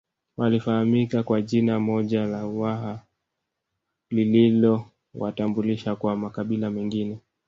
Walifahamika kwa jina moja la Uwaha lililowatambulisha kwa makabila mengine